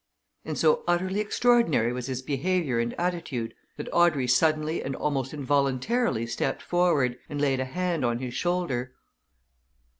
And so utterly extraordinary was his behaviour and attitude that Audrey suddenly and almost involuntarily stepped forward and laid a hand on his shoulder.